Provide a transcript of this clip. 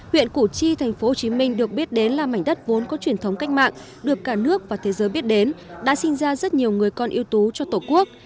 huyện củ chi tp hcm được biết đến là mảnh đất vốn có truyền thống cách mạng được cả nước và thế giới biết đến đã sinh ra rất nhiều người con yêu tú cho tổ quốc